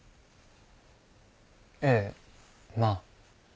ええまあ。